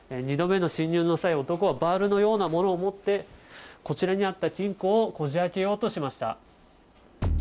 ２度目の侵入の際男はバールのようなものを持ってこちらにあった金庫をこじ開けようとしました。